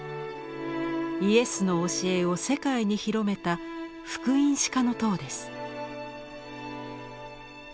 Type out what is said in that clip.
イエスの教えを世界に広めた福音史家の塔です。